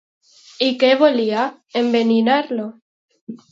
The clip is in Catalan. I què volia, enverinar-lo?